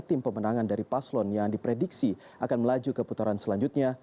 tim pemenangan dari paslon yang diprediksi akan melaju ke putaran selanjutnya